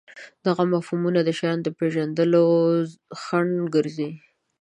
دغه مفهومونه د شیانو د پېژندلو خنډ ګرځي.